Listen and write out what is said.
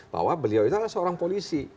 bahwa beliau itu adalah seorang polisi